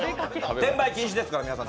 転売禁止ですから、皆さん。